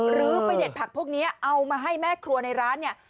หรือไปเด็ดผักพวกนี้เอามาให้แม่ครัวในร้านเนี่ย